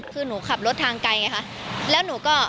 คือหนูขับรถทางไกลไงคะแล้วหนูก็